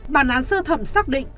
bản án sơ thẩm xác định